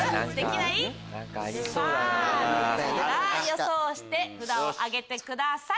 予想して札を挙げてください。